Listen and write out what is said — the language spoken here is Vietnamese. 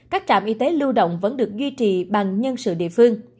các trạm y tế lưu động vẫn được duy trì bằng nhân sự địa phương